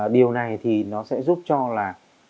điều này thì nó sẽ giúp cho là